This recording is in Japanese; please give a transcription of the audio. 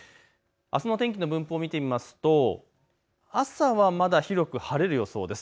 あすの天気の分布を見てみますと朝はまだ広く晴れる予想です。